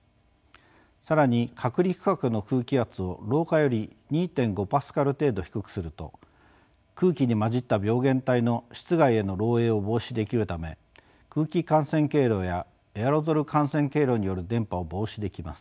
更に隔離区画の空気圧を廊下より２．５パスカル程度低くすると空気に混じった病原体の室外への漏えいを防止できるため空気感染経路やエアロゾル感染経路による伝播を防止できます。